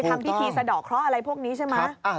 ทำพิธีสะดอกเคราะห์อะไรพวกนี้ใช่ไหม